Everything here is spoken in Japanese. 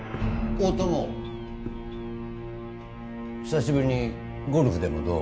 大友久しぶりにゴルフでもどう？